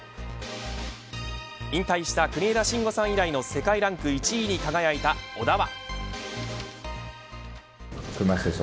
引退した国枝慎吾さん以来の世界ランク１位に輝いた小田は。